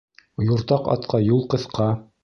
Юртаҡ атҡа юл ҡыҫҡа.